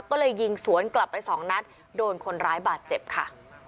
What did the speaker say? ก็เลยยิงสวนกลับไปสองนัดโดนคนร้ายบาดเจ็บค่ะ